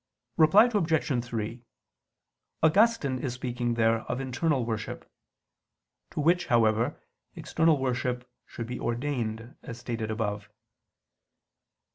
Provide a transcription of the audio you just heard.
Reply Obj. 3: Augustine is speaking there of internal worship; to which, however, external worship should be ordained, as stated above.